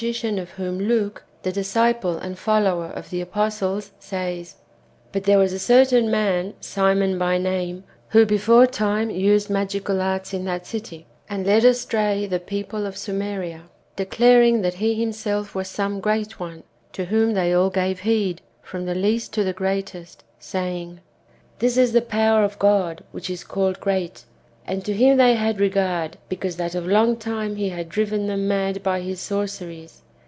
lclan of whom Luke, the disciple and follower of the apostles, says, " But there was a certain man, Simon by name, who beforetime used magical arts In that city, and led astray the people of Samaria, declaring that he himself was some great one, to whom they all gave heed, from the least to the greatest, saying, This is the power of God, which is called great. And to him they had regard, because that of long time he had driven them mad by his sorceries."